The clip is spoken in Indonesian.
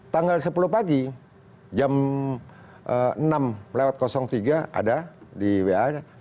tanggal sepuluh pagi jam enam lewat tiga ada di wa